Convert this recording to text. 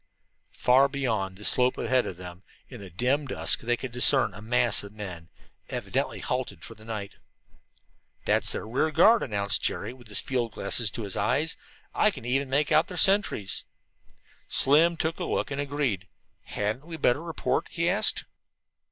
Far beyond the slope ahead of them, in the dim dusk, they could discern a mass of men, evidently halted for the night. "That's their rear guard," announced Jerry, with the field glasses to his eyes. "I can even make out their sentries." Slim took a look and agreed. "Hadn't we better report?" he asked.